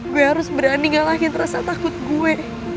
gue harus berani ngalahin rasa takut gue